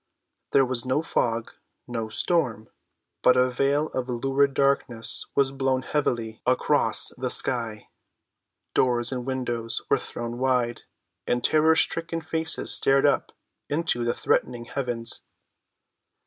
There was no fog, no storm, but a veil of lurid darkness was drawn heavily across the sky. Doors and windows were thrown wide, and terror‐stricken faces stared up into the threatening heavens.